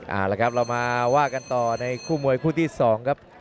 เอาละครับเรามาว่ากันต่อในคู่มวยคู่ที่๒ครับ